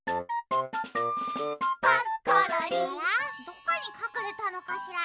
どこにかくれたのかしら。